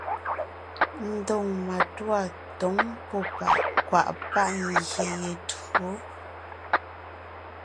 Ndóŋ matûa tǒŋ pɔ́ kwàʼ páʼ ngyè ye tÿǒ.